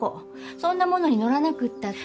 そんなものに乗らなくったって。